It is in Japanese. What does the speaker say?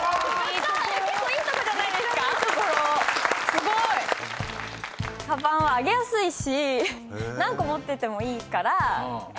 すごい！「カバン」はあげやすいし何個持っててもいいから。